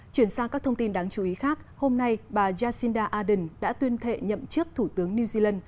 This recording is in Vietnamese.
chuyển sang các thông tin đáng chú ý khác hôm nay bà jacinda ardern đã tuyên thệ nhậm chức thủ tướng new zealand